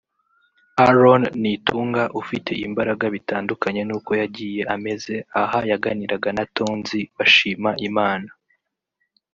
Aaron Nitunga ufite imbaraga bitandukanye n'uko yagiye ameze aha yaganiraga na Tonzi bashima Imana